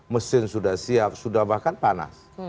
mesin sudah siap sudah bahkan panas